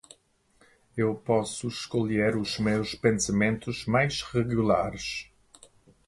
Eu posso escolher os meus pensamentos mais regulares.